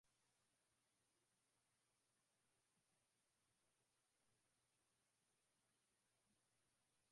Utambulisho mbalimbali kwa wazee jamaa wa nyumbani kama vile mke mchumba mume gari jipya